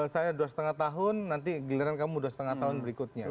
saya dua lima tahun nanti giliran kamu dua lima tahun berikutnya